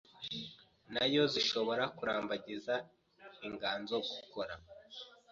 na yo zishobora kurambagiza inganzo gukora